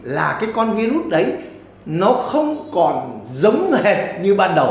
là cái con virus đấy nó không còn giống hệt như ban đầu